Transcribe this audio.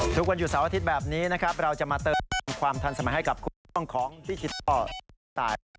ทุกวันหยุดเสาร์อาทิตย์แบบนี้นะครับเราจะมาเติมเต็มความทันสมัยให้กับคุณช่วงของดิจิทัลตาย